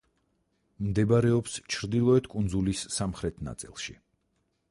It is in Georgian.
მდებარეობს ჩრდილოეთ კუნძულის სამხრეთ ნაწილში.